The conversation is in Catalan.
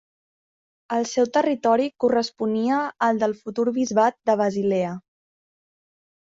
El seu territori corresponia al del futur bisbat de Basilea.